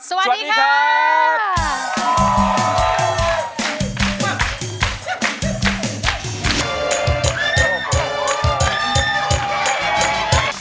สวัสดีค่ะ